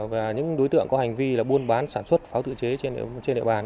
và những đối tượng có hành vi buôn bán sản xuất pháo tự chế trên địa bàn